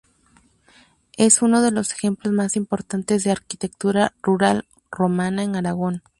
Es uno de los ejemplos más importantes de arquitectura rural romana en Aragón.